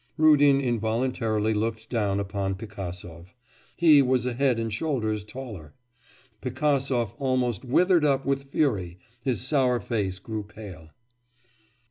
Rudin involuntarily looked down upon Pigasov; he was a head and shoulders taller. Pigasov almost withered up with fury, and his sour face grew pale.